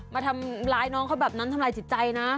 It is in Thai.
มาทำร้ายน้องเขาแบบนั้นทำลายจิตใจนะ